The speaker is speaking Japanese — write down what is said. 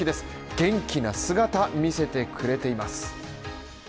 元気な姿を見せてくれています。